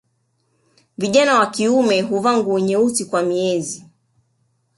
Vijana wa kiume huvaa nguo nyeusi kwa miezi